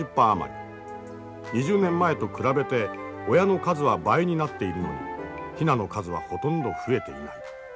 ２０年前と比べて親の数は倍になっているのにヒナの数はほとんど増えていない。